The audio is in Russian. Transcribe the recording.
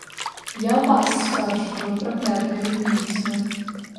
Я вас спрашиваю, проклятые убийцы!